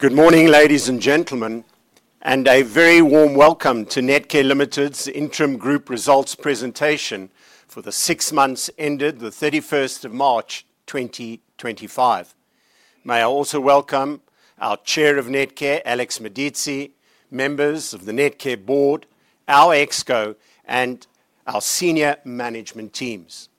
Good morning, ladies and gentlemen, and a very warm welcome to Netcare Limited's interim group results presentation for the six months ended the 31st of March 2025. May I also welcome our Chair of Netcare, Alex Medici, members of the Netcare Board, our Exco, and our Senior Management Teams.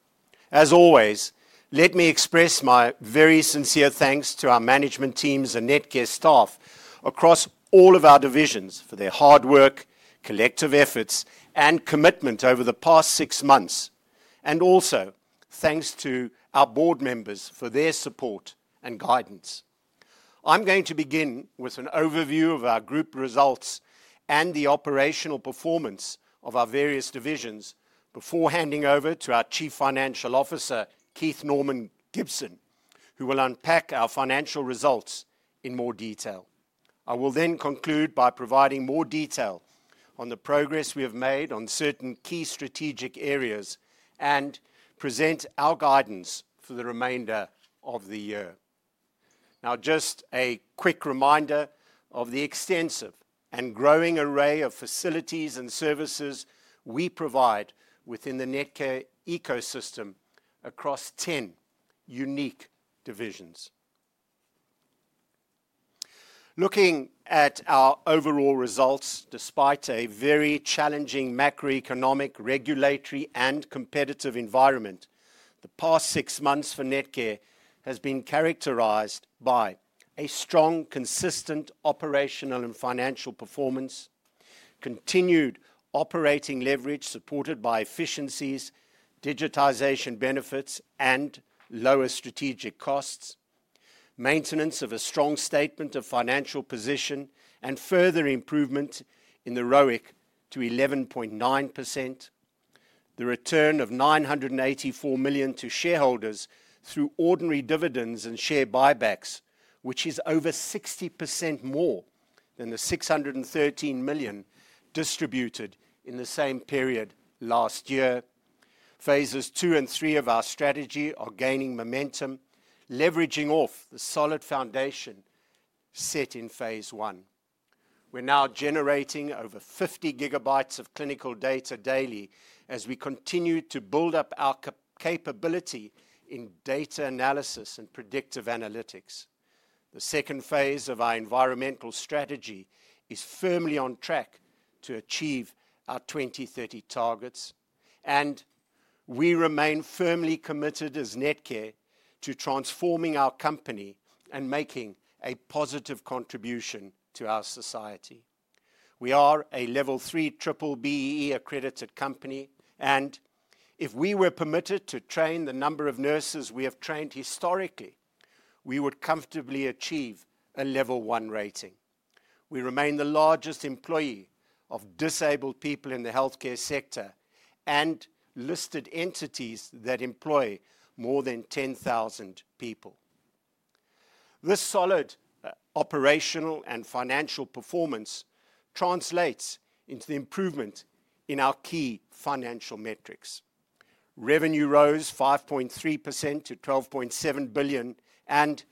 As always, let me express my very sincere thanks to our Management Teams and Netcare staff across all of our divisions for their hard work, collective efforts, and commitment over the past six months, and also thanks to our Board members for their support and guidance. I'm going to begin with an overview of our group results and the operational performance of our various divisions before handing over to our Chief Financial Officer, Keith Norman Gibson, who will unpack our financial results in more detail. I will then conclude by providing more detail on the progress we have made on certain key strategic areas and present our guidance for the remainder of the year. Now, just a quick reminder of the extensive and growing array of facilities and services we provide within the Netcare ecosystem across ten unique divisions. Looking at our overall results, despite a very challenging macroeconomic, regulatory, and competitive environment, the past six months for Netcare have been characterized by a strong, consistent operational and financial performance, continued operating leverage supported by efficiencies, digitization benefits, and lower strategic costs, maintenance of a strong statement of financial position, and further improvement in the ROIC to 11.9%, the return of 984 million to shareholders through ordinary dividends and share buybacks, which is over 60% more than the 613 million distributed in the same period last year. Phases two and three of our strategy are gaining momentum, leveraging off the solid foundation set in Phase I. We're now generating over 50 GB of clinical data daily as we continue to build up our capability in data analysis and predictive analytics. The second phase of our environmental strategy is firmly on track to achieve our 2030 targets, and we remain firmly committed as Netcare to transforming our company and making a positive contribution to our society. We are a Level 3 BBBEE accredited company, and if we were permitted to train the number of nurses we have trained historically, we would comfortably achieve a Level 1 rating. We remain the largest employer of disabled people in the healthcare sector and listed entities that employ more than 10,000 people. This solid operational and financial performance translates into the improvement in our key financial metrics. Revenue rose 5.3% to 12.7 billion, and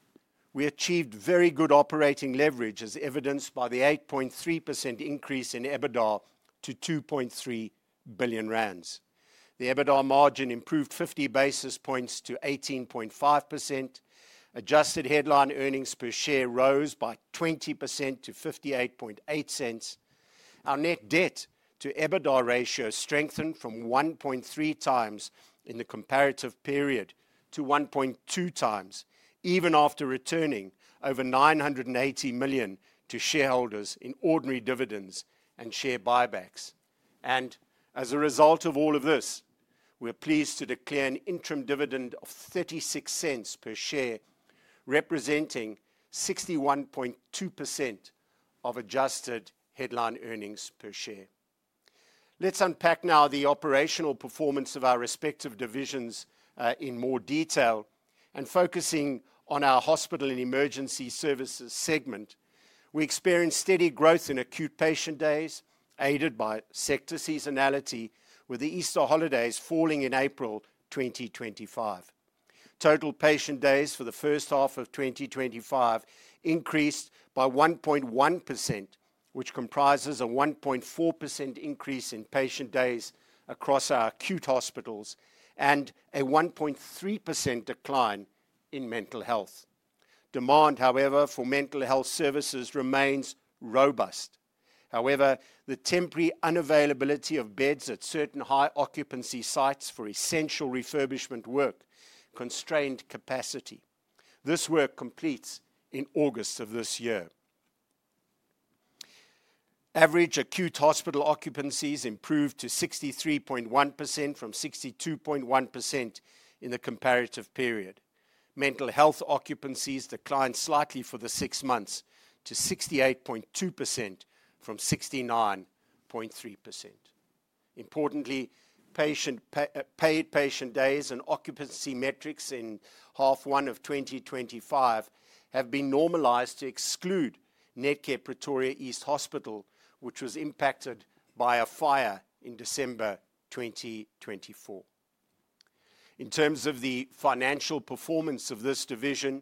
we achieved very good operating leverage, as evidenced by the 8.3% increase in EBITDA to 2.3 billion rand. The EBITDA margin improved 50 basis points to 18.5%. Adjusted headline earnings per share rose by 20% to 0.588. Our net debt to EBITDA ratio strengthened from 1.3 times in the comparative period to 1.2 times, even after returning over 980 million to shareholders in ordinary dividends and share buybacks. As a result of all of this, we're pleased to declare an interim dividend of 0.36 per share, representing 61.2% of adjusted headline earnings per share. Let's unpack now the operational performance of our respective divisions in more detail. Focusing on our hospital and emergency services segment, we experienced steady growth in acute patient days, aided by sector seasonality, with the Easter holidays falling in April 2025. Total patient days for the first half of 2025 increased by 1.1%, which comprises a 1.4% increase in patient days across our acute hospitals and a 1.3% decline in mental health. Demand, however, for mental health services remains robust. However, the temporary unavailability of beds at certain high-occupancy sites for essential refurbishment work constrained capacity. This work completes in August of this year. Average acute hospital occupancies improved to 63.1% from 62.1% in the comparative period. Mental health occupancies declined slightly for the six months to 68.2% from 69.3%. Importantly, paid patient days and occupancy metrics in half one of 2025 have been normalized to exclude Netcare Pretoria East Hospital, which was impacted by a fire in December 2024. In terms of the financial performance of this division,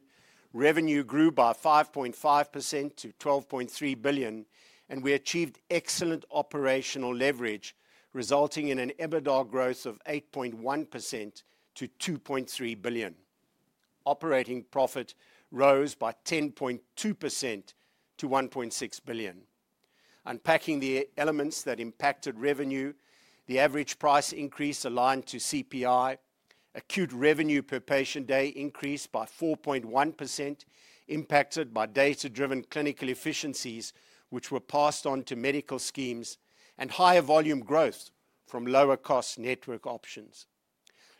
revenue grew by 5.5% to 12.3 billion, and we achieved excellent operational leverage, resulting in an EBITDA growth of 8.1% to 2.3 billion. Operating profit rose by 10.2% to 1.6 billion. Unpacking the elements that impacted revenue, the average price increase aligned to CPI, acute revenue per patient day increased by 4.1%, impacted by data-driven clinical efficiencies, which were passed on to medical schemes, and higher volume growth from lower-cost network options.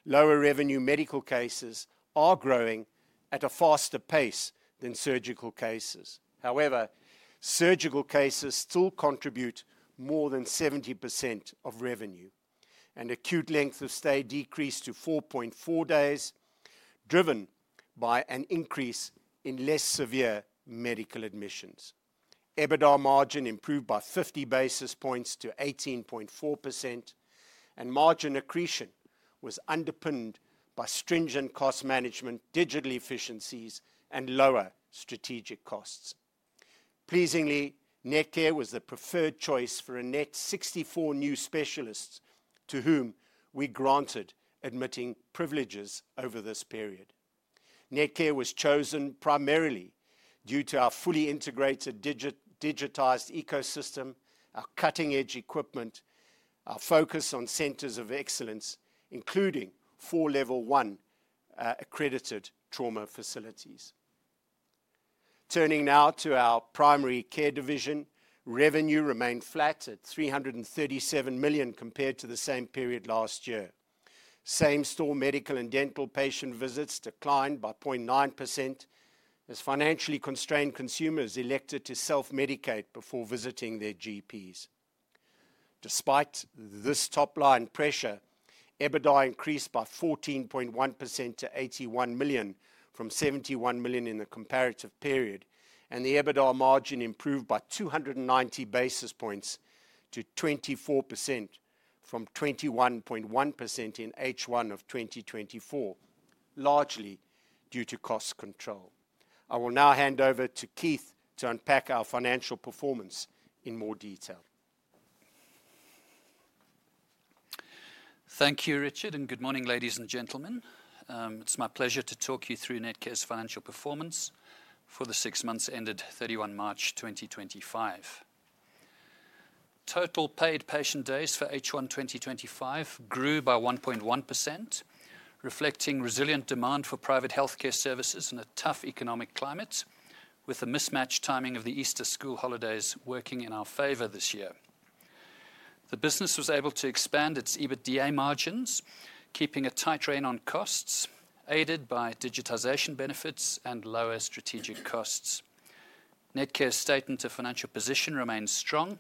Lower revenue medical cases are growing at a faster pace than surgical cases. However, surgical cases still contribute more than 70% of revenue, and acute length of stay decreased to 4.4 days, driven by an increase in less severe medical admissions. EBITDA margin improved by 50 basis points to 18.4%, and margin accretion was underpinned by stringent cost management, digital efficiencies, and lower strategic costs. Pleasingly, Netcare was the preferred choice for a net 64 new specialists to whom we granted admitting privileges over this period. Netcare was chosen primarily due to our fully integrated digitized ecosystem, our cutting-edge equipment, our focus on centers of excellence, including four Level 1 accredited trauma facilities. Turning now to our primary care division, revenue remained flat at 337 million compared to the same period last year. Same-store medical and dental patient visits declined by 0.9%, as financially constrained consumers elected to self-medicate before visiting their GPs. Despite this top-line pressure, EBITDA increased by 14.1% to 81 million from 71 million in the comparative period, and the EBITDA margin improved by 290 basis points to 24% from 21.1% in H1 of 2024, largely due to cost control. I will now hand over to Keith to unpack our financial performance in more detail. Thank you, Richard, and good morning, ladies and gentlemen. It's my pleasure to talk you through Netcare's financial performance for the six months ended 31 March 2025. Total paid patient days for H1 2025 grew by 1.1%, reflecting resilient demand for private healthcare services in a tough economic climate, with the mismatched timing of the Easter school holidays working in our favor this year. The business was able to expand its EBITDA margins, keeping a tight rein on costs, aided by digitization benefits and lower strategic costs. Netcare's statement of financial position remains strong,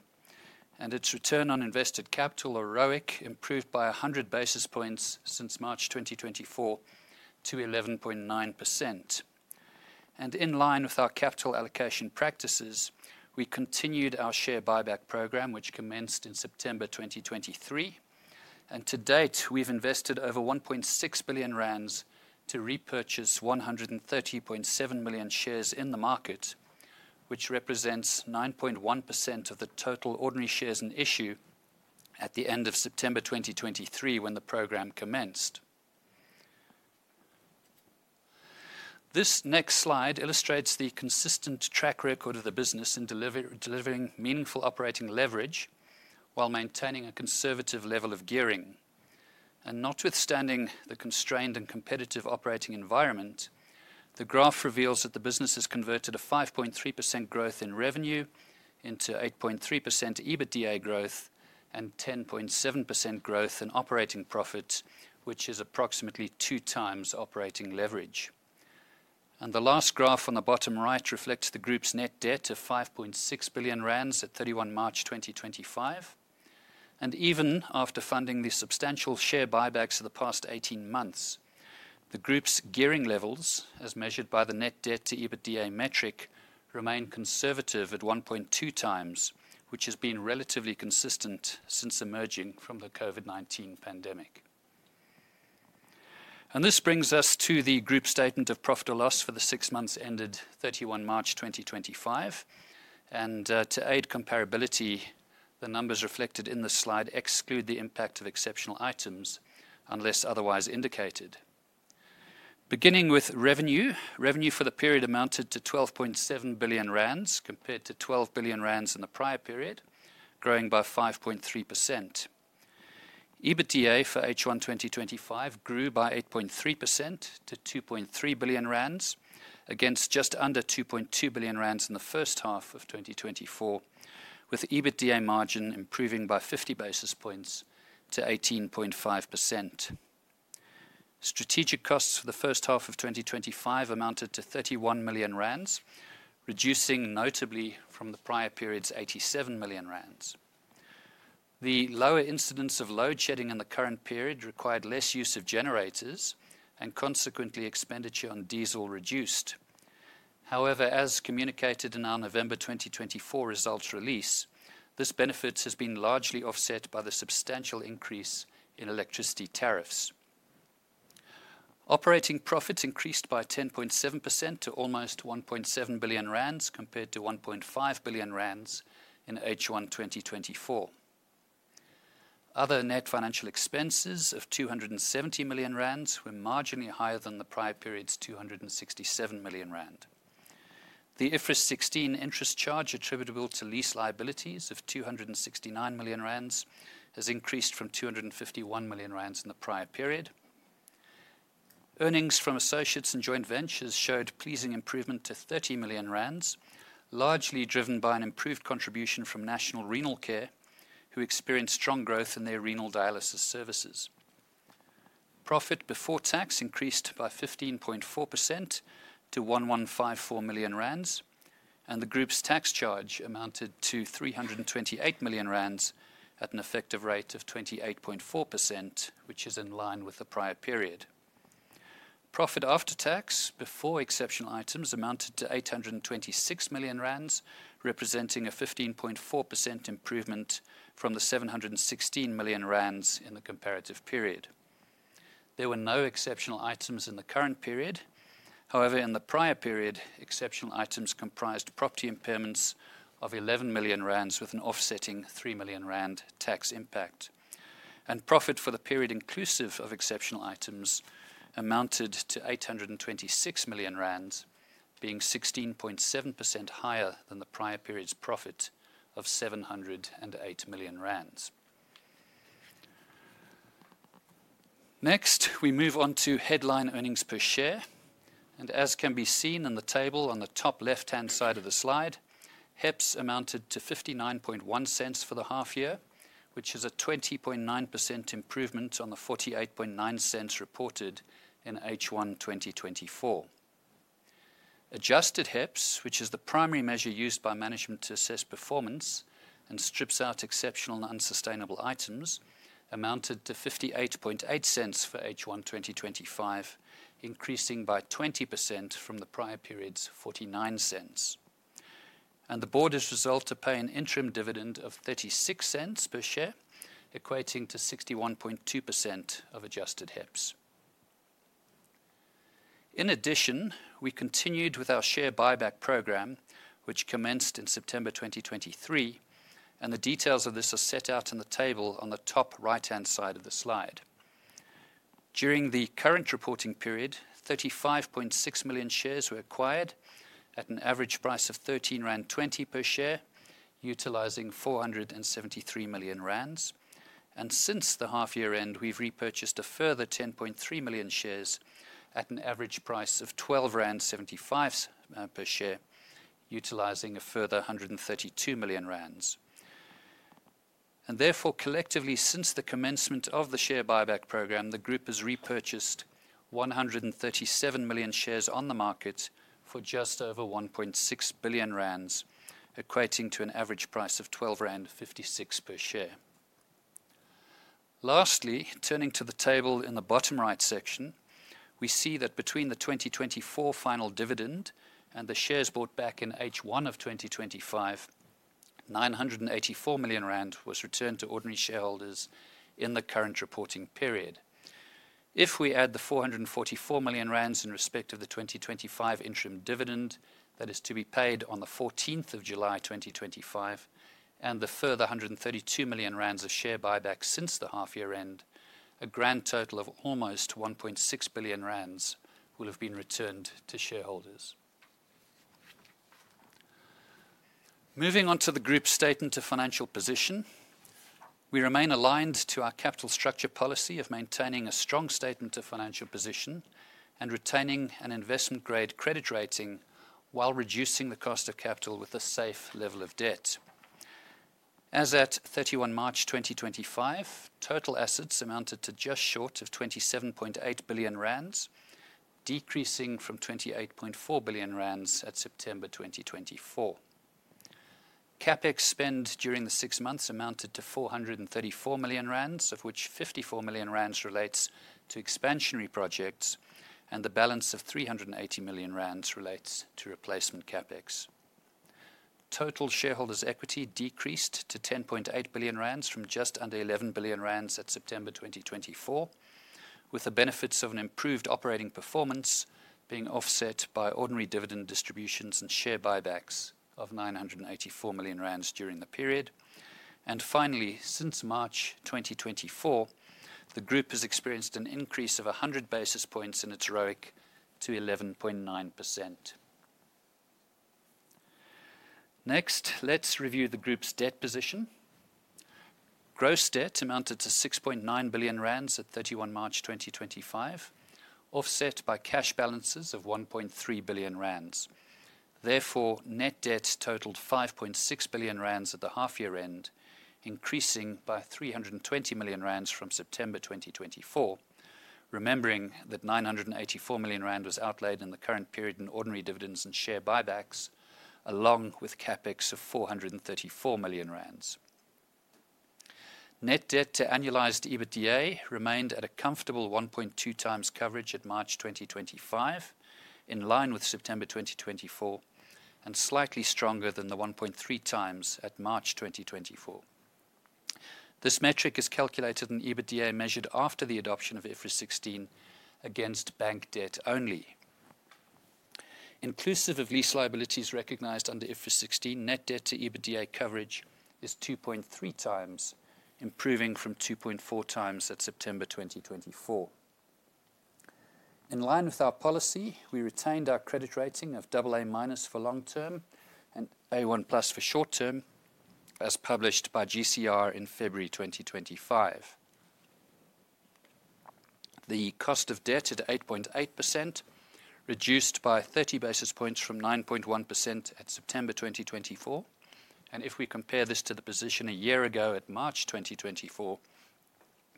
and its return on invested capital or ROIC improved by 100 basis points since March 2024 to 11.9%. In line with our capital allocation practices, we continued our share buyback program, which commenced in September 2023. To date, we've invested over 1.6 billion rand to repurchase 130.7 million shares in the market, which represents 9.1% of the total ordinary shares in issue at the end of September 2023 when the program commenced. This next slide illustrates the consistent track record of the business in delivering meaningful operating leverage while maintaining a conservative level of gearing. Notwithstanding the constrained and competitive operating environment, the graph reveals that the business has converted a 5.3% growth in revenue into 8.3% EBITDA growth and 10.7% growth in operating profit, which is approximately two times operating leverage. The last graph on the bottom right reflects the group's net debt of 5.6 billion rand at 31 March 2025. Even after funding the substantial share buybacks of the past 18 months, the group's gearing levels, as measured by the net debt to EBITDA metric, remain conservative at 1.2 times, which has been relatively consistent since emerging from the COVID-19 pandemic. This brings us to the group statement of profit or loss for the six months ended 31 March 2025. To aid comparability, the numbers reflected in this slide exclude the impact of exceptional items unless otherwise indicated. Beginning with revenue, revenue for the period amounted to 12.7 billion rand compared to 12 billion rand in the prior period, growing by 5.3%. EBITDA for H1 2025 grew by 8.3% to 2.3 billion rand, against just under 2.2 billion rand in the first half of 2024, with EBITDA margin improving by 50 basis points to 18.5%. Strategic costs for the first half of 2025 amounted to 31 million rand, reducing notably from the prior period's 87 million rand. The lower incidence of load shedding in the current period required less use of generators, and consequently, expenditure on diesel reduced. However, as communicated in our November 2024 results release, this benefit has been largely offset by the substantial increase in electricity tariffs. Operating profits increased by 10.7% to almost 1.7 billion rand compared to 1.5 billion rand in H1 2024. Other net financial expenses of 270 million rand were marginally higher than the prior period's 267 million rand. The IFRS 16 interest charge attributable to lease liabilities of 269 million rand has increased from 251 million rand in the prior period. Earnings from associates and joint ventures showed pleasing improvement to 30 million rand, largely driven by an improved contribution from National Renal Care, who experienced strong growth in their renal dialysis services. Profit before tax increased by 15.4% to 1,154 million rand, and the group's tax charge amounted to 328 million rand at an effective rate of 28.4%, which is in line with the prior period. Profit after tax, before exceptional items, amounted to 826 million rand, representing a 15.4% improvement from the 716 million rand in the comparative period. There were no exceptional items in the current period. However, in the prior period, exceptional items comprised property impairments of 11 million rand, with an offsetting 3 million rand tax impact. Profit for the period inclusive of exceptional items amounted to 826 million rand, being 16.7% higher than the prior period's profit of 708 million rand. Next, we move on to headline earnings per share. As can be seen in the table on the top left-hand side of the slide, HEPS amounted to $0.591 for the half year, which is a 20.9% improvement on the $0.489 reported in H1 2024. Adjusted HEPS, which is the primary measure used by management to assess performance and strips out exceptional and unsustainable items, amounted to $0.588 for H1 2025, increasing by 20% from the prior period's $0.49. The board has resolved to pay an interim dividend of $0.36 per share, equating to 61.2% of adjusted HEPS. In addition, we continued with our share buyback program, which commenced in September 2023, and the details of this are set out in the table on the top right-hand side of the slide. During the current reporting period, 35.6 million shares were acquired at an average price of $13.20 per share, utilizing 473 million rand. Since the half year end, we have repurchased a further 10.3 million shares at an average price of 12.75 rand per share, utilizing a further 132 million rand. Therefore, collectively, since the commencement of the share buyback program, the group has repurchased 137 million shares on the market for just over 1.6 billion rand, equating to an average price of 12.56 rand per share. Lastly, turning to the table in the bottom right section, we see that between the 2024 final dividend and the shares bought back in H1 of 2025, 984 million rand was returned to ordinary shareholders in the current reporting period. If we add the 444 million rand in respect of the 2025 interim dividend that is to be paid on the 14th of July 2025, and the further 132 million rand of share buyback since the half year end, a grand total of almost 1.6 billion rand will have been returned to shareholders. Moving on to the group statement of financial position, we remain aligned to our capital structure policy of maintaining a strong statement of financial position and retaining an investment-grade credit rating while reducing the cost of capital with a safe level of debt. As at 31 March 2025, total assets amounted to just short of 27.8 billion rand, decreasing from 28.4 billion rand at September 2024. CapEx spend during the six months amounted to 434 million rand, of which 54 million rand relates to expansionary projects and the balance of 380 million rand relates to replacement CapEx. Total shareholders' equity decreased to 10.8 billion rand from just under 11 billion rand at September 2024, with the benefits of an improved operating performance being offset by ordinary dividend distributions and share buybacks of 984 million rand during the period. Finally, since March 2024, the group has experienced an increase of 100 basis points in its ROIC to 11.9%. Next, let's review the group's debt position. Gross debt amounted to 6.9 billion rand at 31 March 2025, offset by cash balances of 1.3 billion rand. Therefore, net debt totaled 5.6 billion rand at the half year end, increasing by 320 million rand from September 2024, remembering that 984 million rand was outlaid in the current period in ordinary dividends and share buybacks, along with CapEx of 434 million rand. Net debt to annualized EBITDA remained at a comfortable 1.2 times coverage at March 2025, in line with September 2024, and slightly stronger than the 1.3 times at March 2024. This metric is calculated in EBITDA measured after the adoption of IFRS 16 against bank debt only. Inclusive of lease liabilities recognized under IFRS 16, net debt to EBITDA coverage is 2.3 times, improving from 2.4 times at September 2024. In line with our policy, we retained our credit rating of AA minus for long term and A1 plus for short term, as published by GCR in February 2025. The cost of debt is at 8.8%, reduced by 30 basis points from 9.1% at September 2024. If we compare this to the position a year ago at March 2024,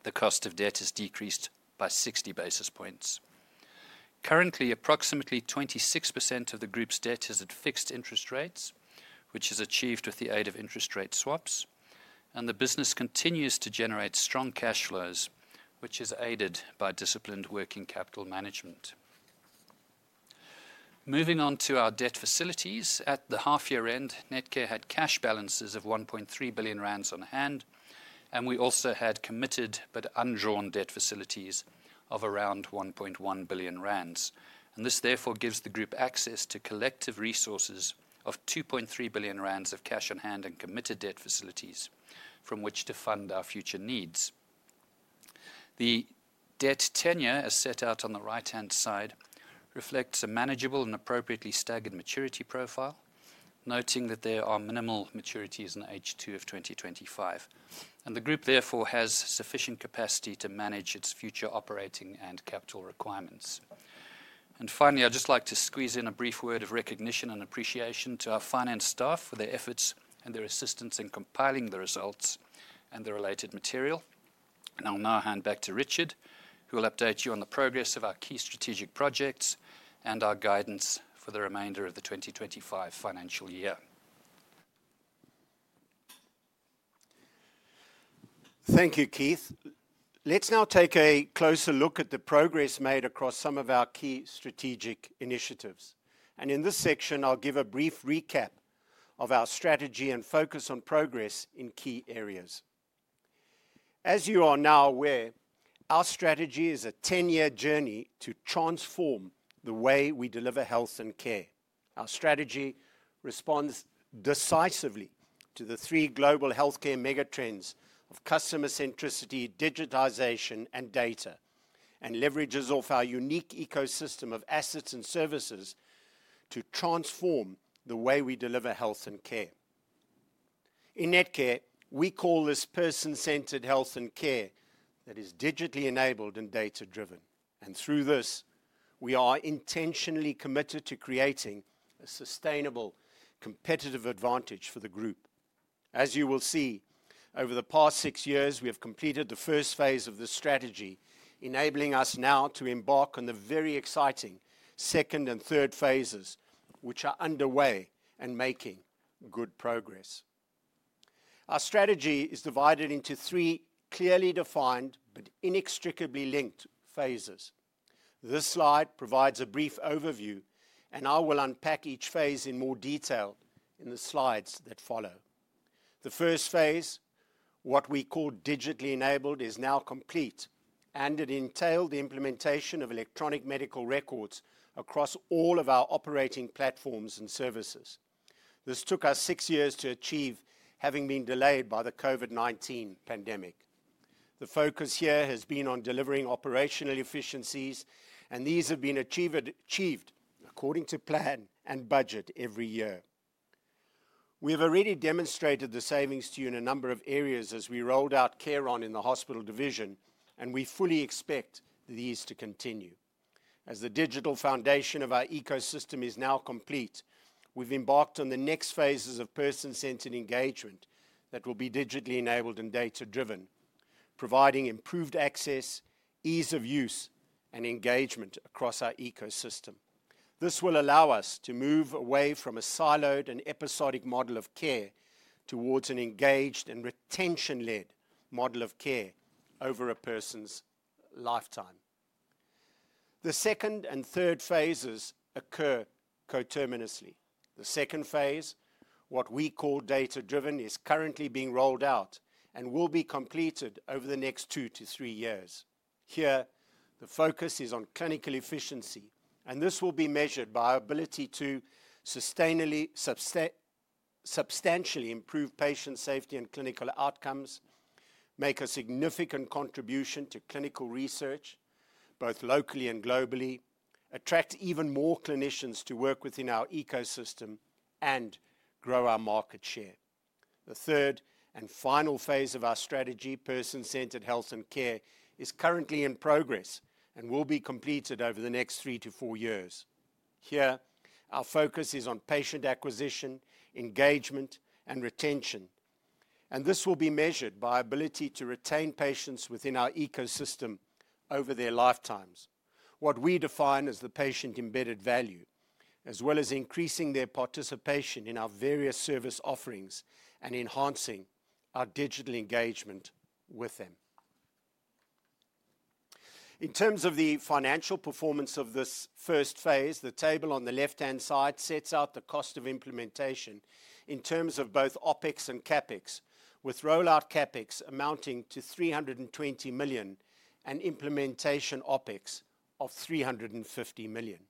the cost of debt has decreased by 60 basis points. Currently, approximately 26% of the group's debt is at fixed interest rates, which is achieved with the aid of interest rate swaps. The business continues to generate strong cash flows, which is aided by disciplined working capital management. Moving on to our debt facilities, at the half year end, Netcare had cash balances of 1.3 billion rand on hand, and we also had committed but undrawn debt facilities of around 1.1 billion rand. This therefore gives the group access to collective resources of 2.3 billion rand of cash on hand and committed debt facilities from which to fund our future needs. The debt tenure, as set out on the right-hand side, reflects a manageable and appropriately staggered maturity profile, noting that there are minimal maturities in H2 of 2025. The group therefore has sufficient capacity to manage its future operating and capital requirements. Finally, I'd just like to squeeze in a brief word of recognition and appreciation to our finance staff for their efforts and their assistance in compiling the results and the related material. I'll now hand back to Richard, who will update you on the progress of our key strategic projects and our guidance for the remainder of the 2025 financial year. Thank you, Keith. Let's now take a closer look at the progress made across some of our key strategic initiatives. In this section, I'll give a brief recap of our strategy and focus on progress in key areas. As you are now aware, our strategy is a 10-year journey to transform the way we deliver health and care. Our strategy responds decisively to the three global healthcare megatrends of customer centricity, digitization, and data, and leverages off our unique ecosystem of assets and services to transform the way we deliver health and care. In Netcare, we call this person-centered health and care that is digitally enabled and data-driven. Through this, we are intentionally committed to creating a sustainable competitive advantage for the group. As you will see, over the past six years, we have completed the first phase of the strategy, enabling us now to embark on the very exciting second and third phases, which are underway and making good progress. Our strategy is divided into three clearly defined but inextricably linked phases. This slide provides a brief overview, and I will unpack each phase in more detail in the slides that follow. The first phase, what we call digitally enabled, is now complete, and it entails the implementation of electronic medical records across all of our operating platforms and services. This took us six years to achieve, having been delayed by the COVID-19 pandemic. The focus here has been on delivering operational efficiencies, and these have been achieved according to plan and budget every year. We have already demonstrated the savings to you in a number of areas as we rolled out CareOn in the hospital division, and we fully expect these to continue. As the digital foundation of our ecosystem is now complete, we've embarked on the next phases of person-centered engagement that will be digitally enabled and data-driven, providing improved access, ease of use, and engagement across our ecosystem. This will allow us to move away from a siloed and episodic model of care towards an engaged and retention-led model of care over a person's lifetime. The second and third phases occur co-terminously. The second phase, what we call data-driven, is currently being rolled out and will be completed over the next two to three years. Here, the focus is on clinical efficiency, and this will be measured by our ability to sustainably substantially improve patient safety and clinical outcomes, make a significant contribution to clinical research both locally and globally, attract even more clinicians to work within our ecosystem, and grow our market share. The third and final phase of our strategy, person-centered health and care, is currently in progress and will be completed over the next three to four years. Here, our focus is on patient acquisition, engagement, and retention. This will be measured by our ability to retain patients within our ecosystem over their lifetimes, what we define as the patient embedded value, as well as increasing their participation in our various service offerings and enhancing our digital engagement with them. In terms of the financial performance of this first phase, the table on the left-hand side sets out the cost of implementation in terms of both OPEX and CapEx, with rollout CapEx amounting to 320 million and implementation OPEX of 350 million.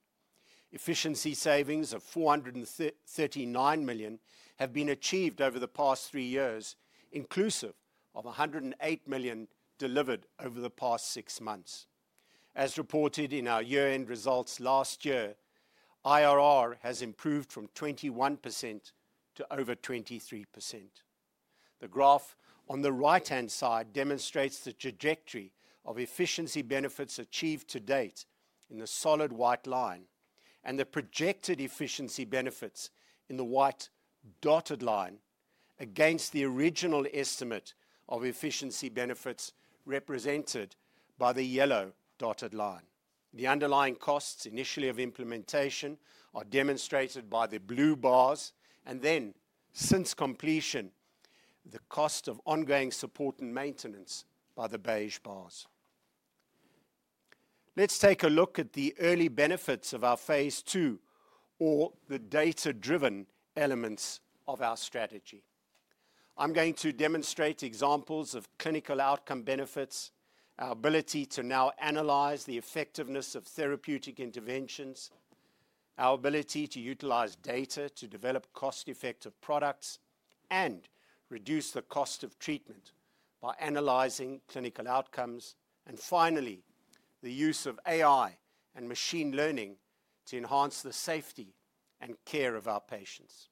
Efficiency savings of 439 million have been achieved over the past three years, inclusive of 108 million delivered over the past six months. As reported in our year-end results last year, IRR has improved from 21% to over 23%. The graph on the right-hand side demonstrates the trajectory of efficiency benefits achieved to date in the solid white line and the projected efficiency benefits in the white dotted line against the original estimate of efficiency benefits represented by the yellow dotted line. The underlying costs initially of implementation are demonstrated by the blue bars, and then, since completion, the cost of ongoing support and maintenance by the beige bars. Let's take a look at the early benefits of our Phase II, or the data-driven elements of our strategy. I'm going to demonstrate examples of clinical outcome benefits, our ability to now analyze the effectiveness of therapeutic interventions, our ability to utilize data to develop cost-effective products, and reduce the cost of treatment by analyzing clinical outcomes, and finally, the use of AI and machine learning to enhance the safety and care of our patients.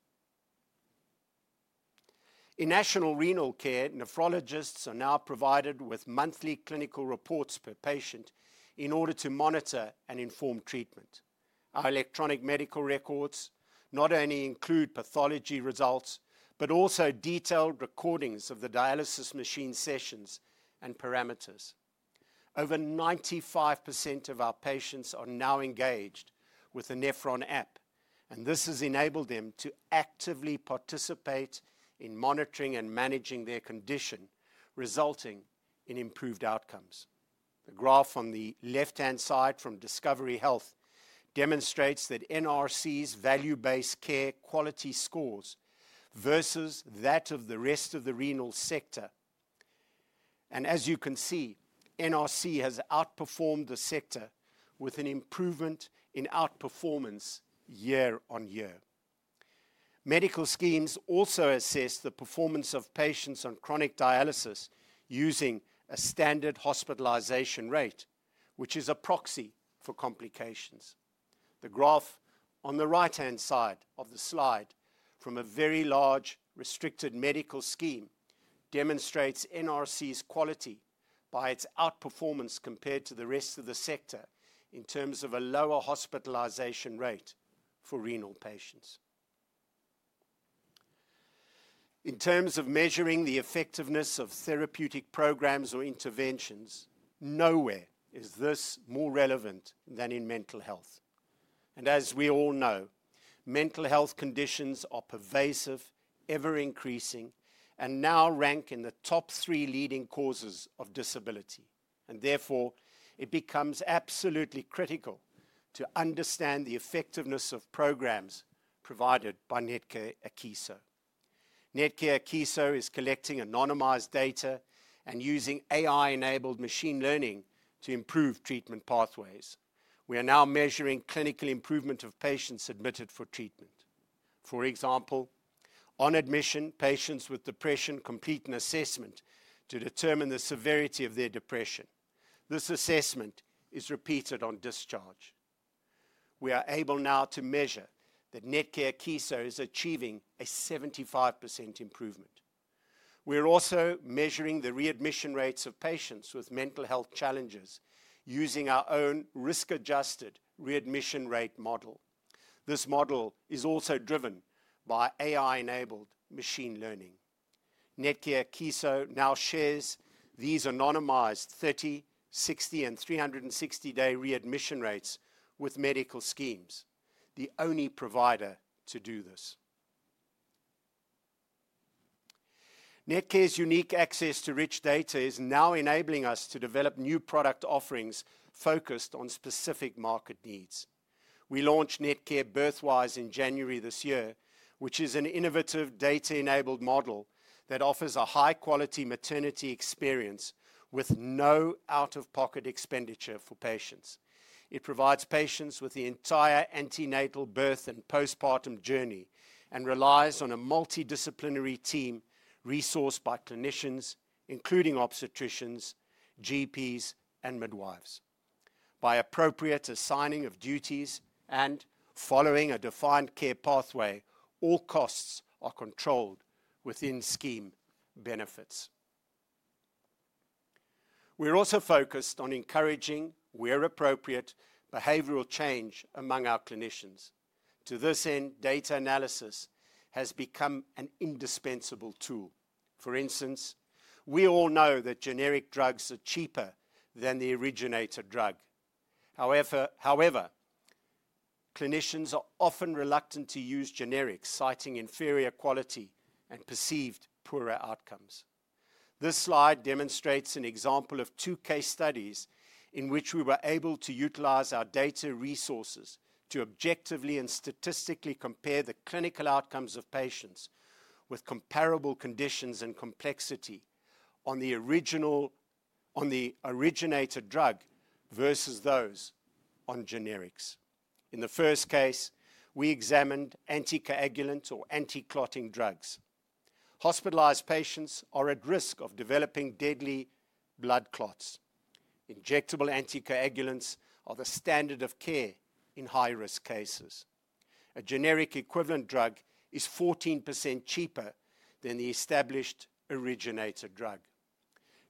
In National Renal Care, nephrologists are now provided with monthly clinical reports per patient in order to monitor and inform treatment. Our electronic medical records not only include pathology results, but also detailed recordings of the dialysis machine sessions and parameters. Over 95% of our patients are now engaged with the NeprOn app, and this has enabled them to actively participate in monitoring and managing their condition, resulting in improved outcomes. The graph on the left-hand side from Discovery Health demonstrates that NRC's value-based care quality scores versus that of the rest of the renal sector. As you can see, NRC has outperformed the sector with an improvement in outperformance year on year. Medical schemes also assess the performance of patients on chronic dialysis using a standard hospitalization rate, which is a proxy for complications. The graph on the right-hand side of the slide from a very large restricted medical scheme demonstrates NRC's quality by its outperformance compared to the rest of the sector in terms of a lower hospitalization rate for renal patients. In terms of measuring the effectiveness of therapeutic programs or interventions, nowhere is this more relevant than in mental health. As we all know, mental health conditions are pervasive, ever-increasing, and now rank in the top three leading causes of disability. Therefore, it becomes absolutely critical to understand the effectiveness of programs provided by Netcare Akeso. Netcare Akeso is collecting anonymized data and using AI-enabled machine learning to improve treatment pathways. We are now measuring clinical improvement of patients admitted for treatment. For example, on admission, patients with depression complete an assessment to determine the severity of their depression. This assessment is repeated on discharge. We are able now to measure that Netcare Akeso is achieving a 75% improvement. We are also measuring the readmission rates of patients with mental health challenges using our own risk-adjusted readmission rate model. This model is also driven by AI-enabled machine learning. Netcare Akeso now shares these anonymized 30, 60, and 360-day readmission rates with medical schemes, the only provider to do this. Netcare's unique access to rich data is now enabling us to develop new product offerings focused on specific market needs. We launched Netcare Birthwise in January this year, which is an innovative data-enabled model that offers a high-quality maternity experience with no out-of-pocket expenditure for patients. It provides patients with the entire antenatal, birth, and postpartum journey and relies on a multidisciplinary team resourced by clinicians, including obstetricians, GPs, and midwives. By appropriate assigning of duties and following a defined care pathway, all costs are controlled within scheme benefits. We're also focused on encouraging, where appropriate, behavioral change among our clinicians. To this end, data analysis has become an indispensable tool. For instance, we all know that generic drugs are cheaper than the originator drug. However, clinicians are often reluctant to use generics, citing inferior quality and perceived poorer outcomes. This slide demonstrates an example of two case studies in which we were able to utilize our data resources to objectively and statistically compare the clinical outcomes of patients with comparable conditions and complexity on the originator drug versus those on generics. In the first case, we examined anticoagulants or anti-clotting drugs. Hospitalized patients are at risk of developing deadly blood clots. Injectable anticoagulants are the standard of care in high-risk cases. A generic equivalent drug is 14% cheaper than the established originator drug.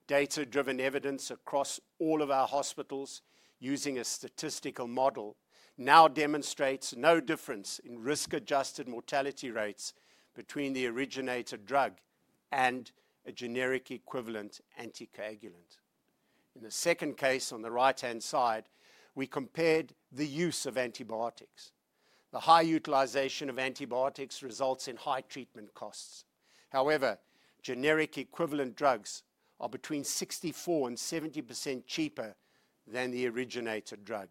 Data-driven evidence across all of our hospitals using a statistical model now demonstrates no difference in risk-adjusted mortality rates between the originator drug and a generic equivalent anticoagulant. In the second case on the right-hand side, we compared the use of antibiotics. The high utilization of antibiotics results in high treatment costs. However, generic equivalent drugs are between 64% and 70% cheaper than the originator drug.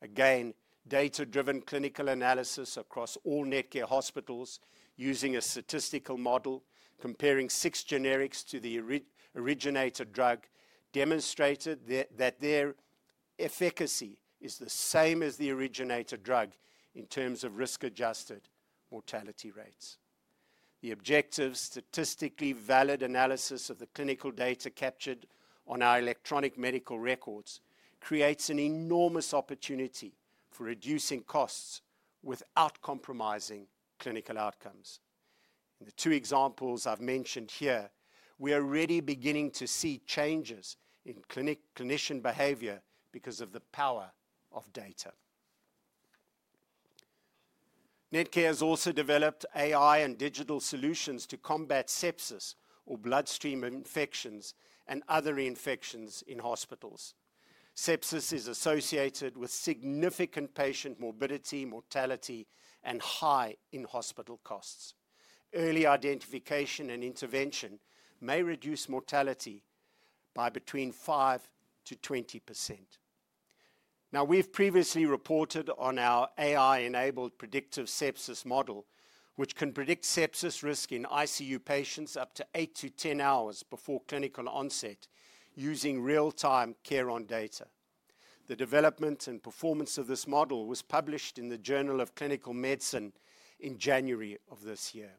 Again, data-driven clinical analysis across all Netcare hospitals using a statistical model comparing six generics to the originator drug demonstrated that their efficacy is the same as the originator drug in terms of risk-adjusted mortality rates. The objective, statistically valid analysis of the clinical data captured on our electronic medical records creates an enormous opportunity for reducing costs without compromising clinical outcomes. In the two examples I've mentioned here, we are already beginning to see changes in clinician behavior because of the power of data. Netcare has also developed AI and digital solutions to combat sepsis or bloodstream infections and other infections in hospitals. Sepsis is associated with significant patient morbidity, mortality, and high in-hospital costs. Early identification and intervention may reduce mortality by between 5% to 20%. Now, we've previously reported on our AI-enabled predictive sepsis model, which can predict sepsis risk in ICU patients up to 8 to 10 hours before clinical onset using real-time CareOn data. The development and performance of this model was published in the Journal of Clinical Medicine in January of this year.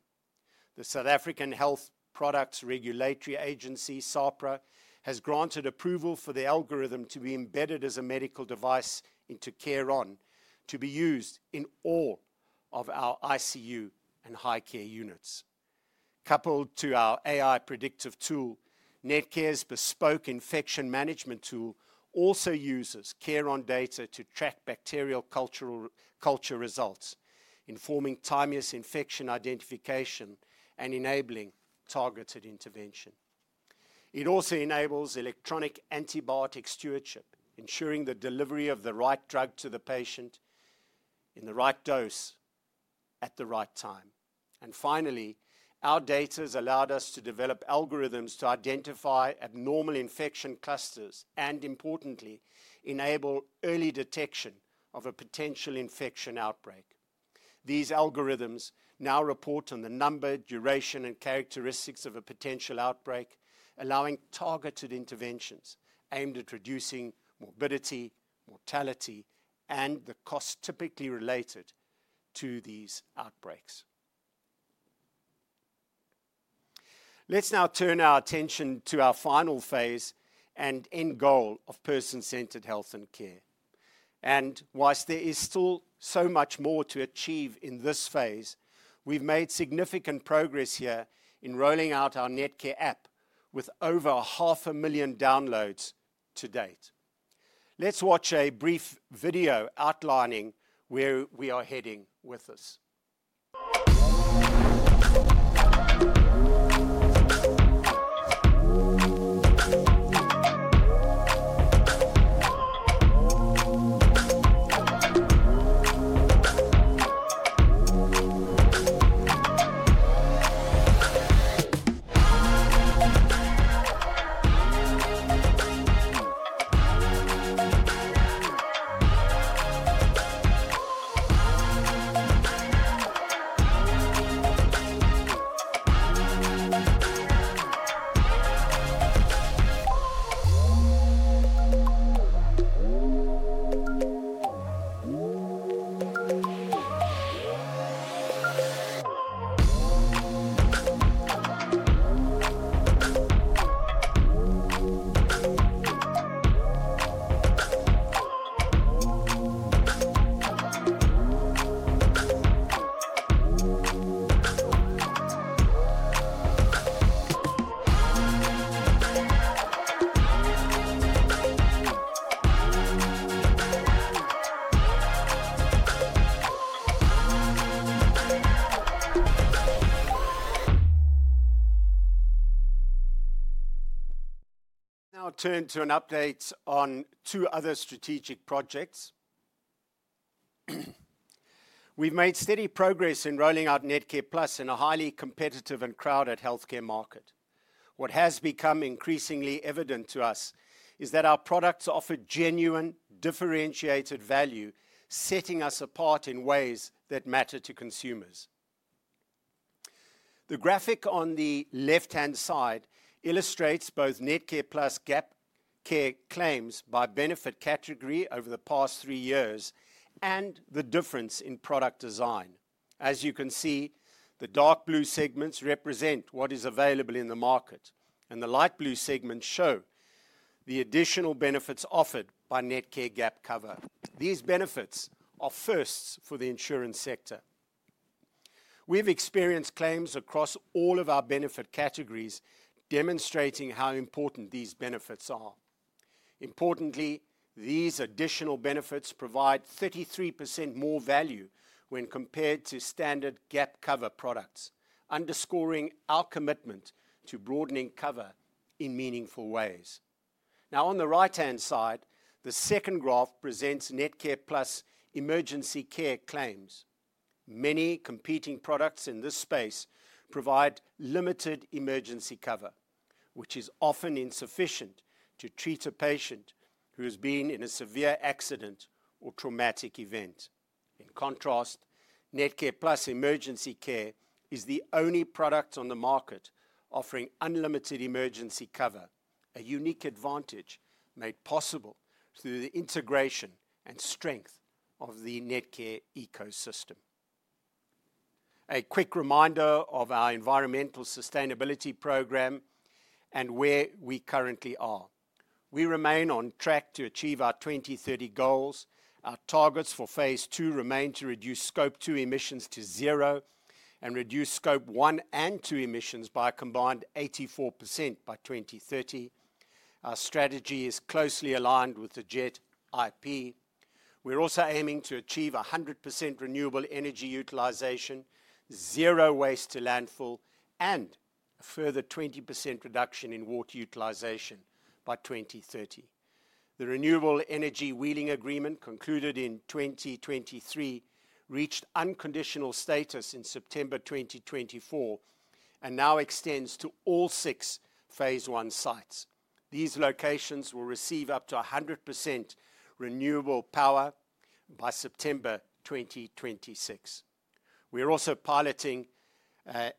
The South African Health Products Regulatory Authority, SAHPRA, has granted approval for the algorithm to be embedded as a medical device into CareOn to be used in all of our ICU and high-care units. Coupled to our AI predictive tool, Netcare's bespoke infection management tool also uses CareOn data to track bacterial culture results, informing timely infection identification and enabling targeted intervention. It also enables electronic antibiotic stewardship, ensuring the delivery of the right drug to the patient in the right dose at the right time. Finally, our data has allowed us to develop algorithms to identify abnormal infection clusters and, importantly, enable early detection of a potential infection outbreak. These algorithms now report on the number, duration, and characteristics of a potential outbreak, allowing targeted interventions aimed at reducing morbidity, mortality, and the costs typically related to these outbreaks. Let's now turn our attention to our final phase and end goal of person-centered health and care. Whilst there is still so much more to achieve in this phase, we've made significant progress here in rolling out our Netcare app with over 500,000 downloads to date. Let's watch a brief video outlining where we are heading with this. Now turn to an update on two other strategic projects. We've made steady progress in rolling out Netcare Plus in a highly competitive and crowded healthcare market. What has become increasingly evident to us is that our products offer genuine differentiated value, setting us apart in ways that matter to consumers. The graphic on the left-hand side illustrates both Netcare Plus gap care claims by benefit category over the past three years and the difference in product design. As you can see, the dark blue segments represent what is available in the market, and the light blue segments show the additional benefits offered by Netcare gap cover. These benefits are firsts for the insurance sector. We've experienced claims across all of our benefit categories demonstrating how important these benefits are. Importantly, these additional benefits provide 33% more value when compared to standard gap cover products, underscoring our commitment to broadening cover in meaningful ways. Now, on the right-hand side, the second graph presents Netcare Plus emergency care claims. Many competing products in this space provide limited emergency cover, which is often insufficient to treat a patient who has been in a severe accident or traumatic event. In contrast, Netcare Plus emergency care is the only product on the market offering unlimited emergency cover, a unique advantage made possible through the integration and strength of the Netcare ecosystem. A quick reminder of our environmental sustainability program and where we currently are. We remain on track to achieve our 2030 goals. Our targets for Phase II remain to reduce scope two emissions to zero and reduce scope one and two emissions by a combined 84% by 2030. Our strategy is closely aligned with the JET IP. We're also aiming to achieve 100% renewable energy utilization, zero waste to landfill, and a further 20% reduction in water utilization by 2030. The Renewable Energy Wheeling Agreement concluded in 2023 reached unconditional status in September 2024 and now extends to all six Phase I sites. These locations will receive up to 100% renewable power by September 2026. We're also piloting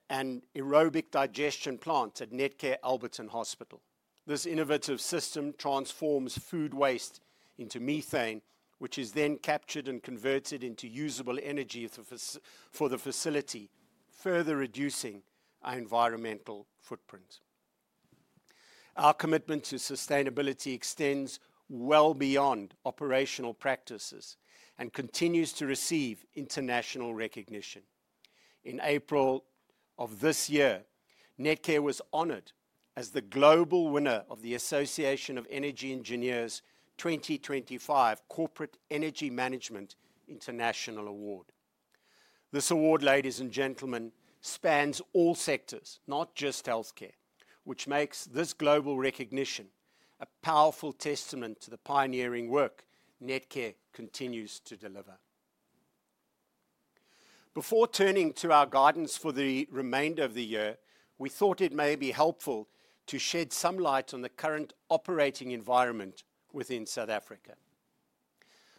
an aerobic digestion plant at Netcare Alberton Hospital. This innovative system transforms food waste into methane, which is then captured and converted into usable energy for the facility, further reducing our environmental footprint. Our commitment to sustainability extends well beyond operational practices and continues to receive international recognition. In April of this year, Netcare was honored as the global winner of the Association of Energy Engineers 2025 Corporate Energy Management International Award. This award, ladies and gentlemen, spans all sectors, not just healthcare, which makes this global recognition a powerful testament to the pioneering work Netcare continues to deliver. Before turning to our guidance for the remainder of the year, we thought it may be helpful to shed some light on the current operating environment within South Africa.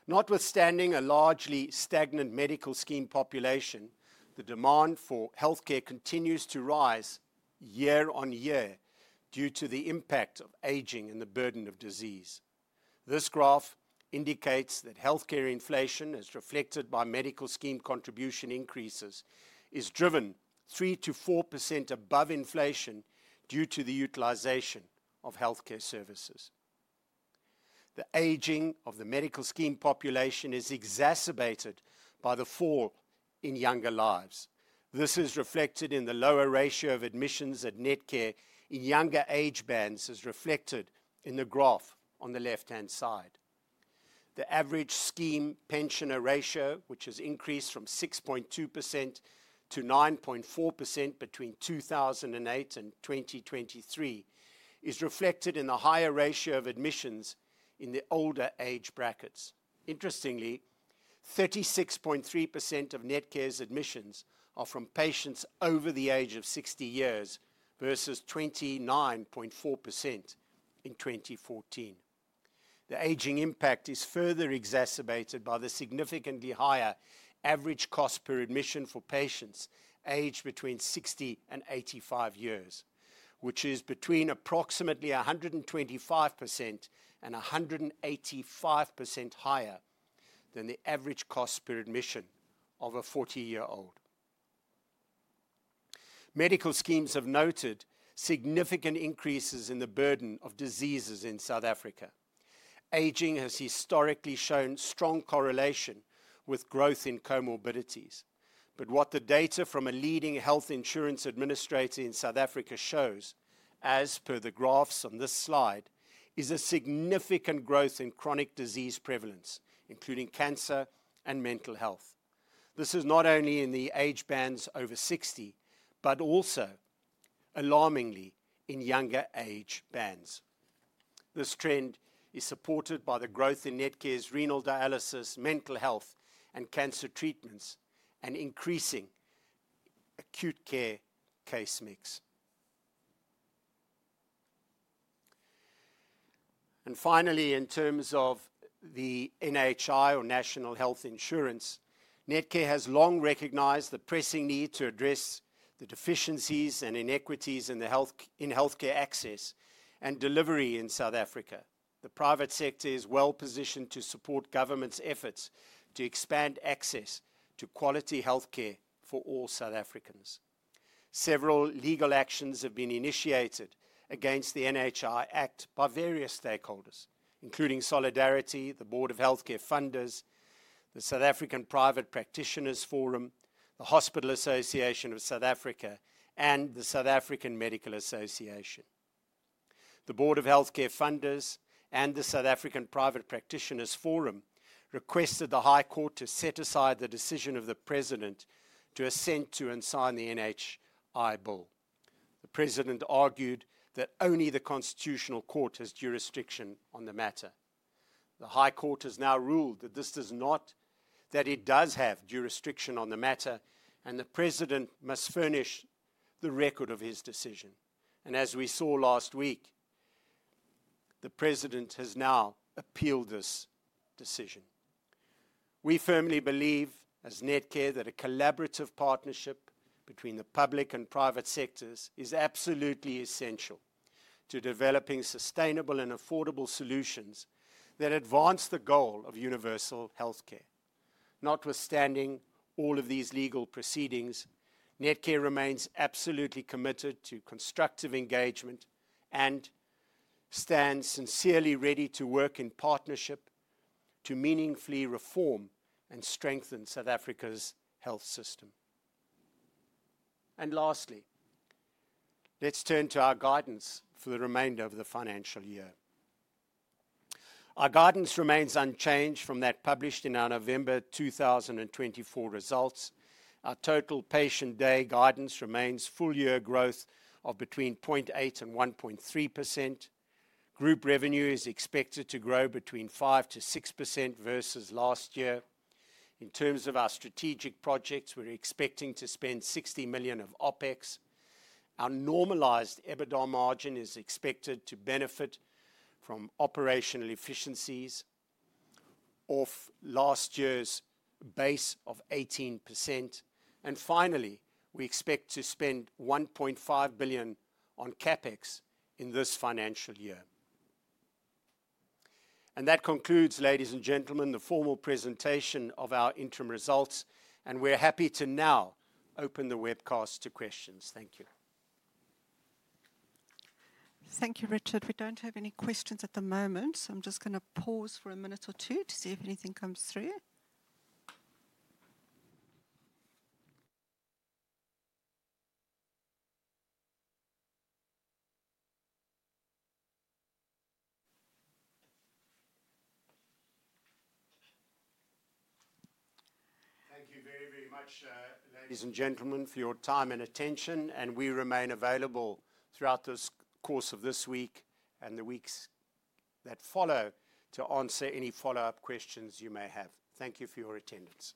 Notwithstanding a largely stagnant medical scheme population, the demand for healthcare continues to rise year on year due to the impact of aging and the burden of disease. This graph indicates that healthcare inflation, as reflected by medical scheme contribution increases, is driven 3% to 4% above inflation due to the utilization of healthcare services. The aging of the medical scheme population is exacerbated by the fall in younger lives. This is reflected in the lower ratio of admissions at Netcare in younger age bands, as reflected in the graph on the left-hand side. The average scheme pensioner ratio, which has increased from 6.2% to 9.4% between 2008 and 2023, is reflected in the higher ratio of admissions in the older age brackets. Interestingly, 36.3% of Netcare's admissions are from patients over the age of 60 years versus 29.4% in 2014. The aging impact is further exacerbated by the significantly higher average cost per admission for patients aged between 60 and 85 years, which is between approximately 125% to 185% higher than the average cost per admission of a 40-year-old. Medical schemes have noted significant increases in the burden of diseases in South Africa. Aging has historically shown strong correlation with growth in comorbidities. What the data from a leading health insurance administrator in South Africa shows, as per the graphs on this slide, is a significant growth in chronic disease prevalence, including cancer and mental health. This is not only in the age bands over 60, but also, alarmingly, in younger age bands. This trend is supported by the growth in Netcare's renal dialysis, mental health, and cancer treatments, and increasing acute care case mix. Finally, in terms of the NHI, or National Health Insurance, Netcare has long recognized the pressing need to address the deficiencies and inequities in healthcare access and delivery in South Africa. The private sector is well positioned to support government's efforts to expand access to quality healthcare for all South Africans. Several legal actions have been initiated against the NHI Act by various stakeholders, including Solidarity, the Board of Healthcare Funders, the South African Private Practitioners Forum, the Hospital Association of South Africa, and the South African Medical Association. The Board of Healthcare Funders and the South African Private Practitioners Forum requested the High Court to set aside the decision of the President to assent to and sign the NHI Bill. The President argued that only the Constitutional Court has jurisdiction on the matter. The High Court has now ruled that it does have jurisdiction on the matter, and the President must furnish the record of his decision. As we saw last week, the President has now appealed this decision. We firmly believe as Netcare that a collaborative partnership between the public and private sectors is absolutely essential to developing sustainable and affordable solutions that advance the goal of universal healthcare. Notwithstanding all of these legal proceedings, Netcare remains absolutely committed to constructive engagement and stands sincerely ready to work in partnership to meaningfully reform and strengthen South Africa's health system. Lastly, let's turn to our guidance for the remainder of the financial year. Our guidance remains unchanged from that published in our November 2024 results. Our total patient-day guidance remains full-year growth of between 0.8% and 1.3%. Group revenue is expected to grow between 5%-6% versus last year. In terms of our strategic projects, we're expecting to spend 60 million of OPEX. Our normalized EBITDA margin is expected to benefit from operational efficiencies off last year's base of 18%. Finally, we expect to spend 1.5 billion on CapEx in this financial year. That concludes, ladies and gentlemen, the formal presentation of our interim results, and we're happy to now open the webcast to questions. Thank you. Thank you, Richard. We don't have any questions at the moment, so I'm just going to pause for a minute or two to see if anything comes through. Thank you very, very much, ladies and gentlemen, for your time and attention, and we remain available throughout the course of this week and the weeks that follow to answer any follow-up questions you may have. Thank you for your attendance.